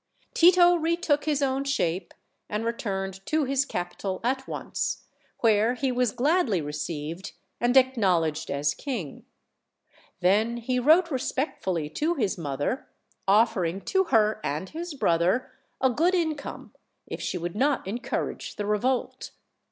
Tito retook his own shape and returned to his capital at once, where he was gladly received and acknowledged as king. Then he wrote respectfully to his mother, offer ing to her and his brother a good income if she would not encourage the revolt.